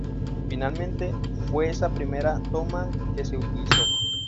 Finalmente, fue esa primera toma la que se utilizó.